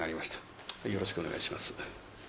よろしくお願いします。